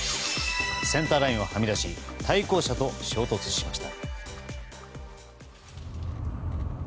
センターラインをはみ出し対向車と衝突しました。